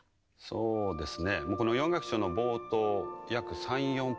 そうですね。